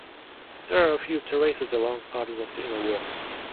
There are a few terraces along parts of the inner wall.